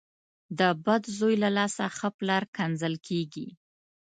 ـ د بد زوی له لاسه ښه پلار کنځل کېږي .